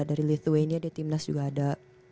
dari lithuania ada timnas juga ada